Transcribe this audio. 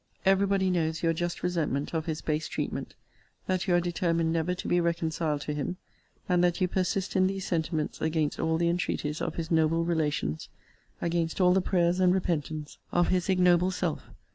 Every body knows your just resentment of his base treatment: that you are determined never to be reconciled to him: and that you persist in these sentiments against all the entreaties of his noble relations, against all the prayers and repentance of his ignoble self.